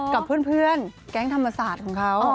กับเพื่อนแก๊งธรรมศาสตร์ของเขา